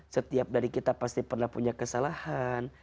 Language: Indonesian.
setiap dari kita pasti pernah punya kesalahan